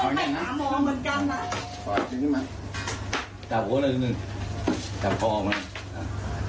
เหมือนกันอ่ะขออาทิตย์นี้มาจับหัวหน่อยหนึ่งจับกล้องหน่อยหนึ่งอ่า